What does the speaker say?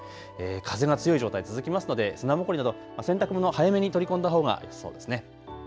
風が強い状態、続きますので砂ぼこりなど洗濯物、早めに取り込んだほうがよさそうですね。